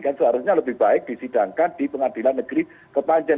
kan seharusnya lebih baik disidangkan di pengadilan negeri kepanjen